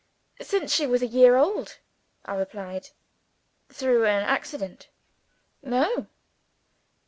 "Since she was a year old," I replied. "Through an accident?" "No."